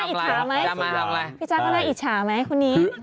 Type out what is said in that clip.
คนนี้ก็น่าอิจฉาไหมคุณนี้พี่จ๊ะก็น่าอิจฉาไหมคุณนี้